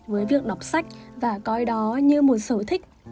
với việc đọc sách và coi đó như một sở thích